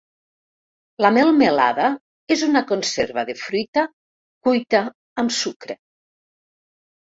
La melmelada és una conserva de fruita cuita amb sucre.